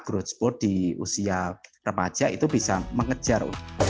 growth spot di usia remaja itu bisa mengejar